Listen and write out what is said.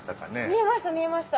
見えました見えました。